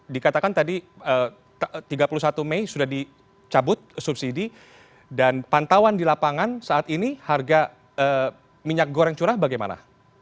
dikatakan tadi tiga puluh satu mei sudah dicabut subsidi dan pantauan di lapangan saat ini harga minyak goreng curah bagaimana